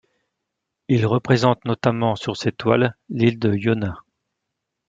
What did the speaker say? Il représente notamment sur ses toiles l'île de Iona.